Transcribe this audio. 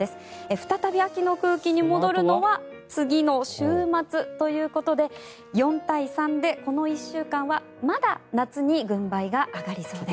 再び秋の空気に戻るのは次の週末ということで４対３でこの１週間はまだ夏に軍配が上がりそうです。